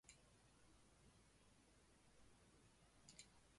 凸脉飞燕草为毛茛科翠雀属飞燕草亚属一年生草本植物。